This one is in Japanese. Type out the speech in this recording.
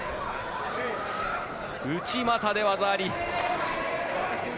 内股で技あり。